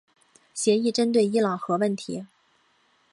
协议针对伊朗核问题。